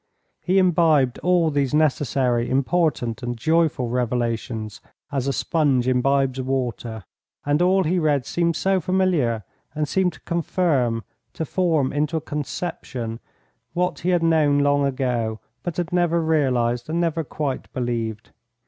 He imbibed all these necessary, important and joyful revelations as a sponge imbibes water. And all he read seemed so familiar and seemed to confirm, to form into a conception, what he had known long ago, but had never realised and never quite believed.